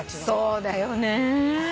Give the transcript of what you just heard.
そうだよね。